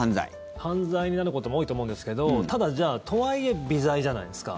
犯罪になることも多いと思うんですけどただ、じゃあとはいえ微罪じゃないですか。